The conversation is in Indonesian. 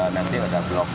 nanti ada blok tiga